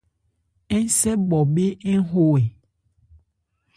Ńsɛ bhɔbhé ń ho ɛ ?